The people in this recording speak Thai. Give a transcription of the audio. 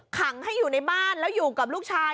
ขังให้อยู่ในบ้านแล้วอยู่กับลูกชาย